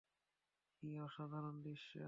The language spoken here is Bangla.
কী অসাধারণ দৃশ্য!